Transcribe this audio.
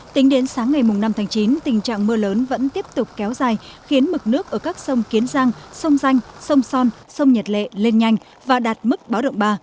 tính đến sáng ngày năm tháng chín tình trạng mưa lớn vẫn tiếp tục kéo dài khiến mực nước ở các sông kiến giang sông danh sông son sông nhật lệ lên nhanh và đạt mức báo động ba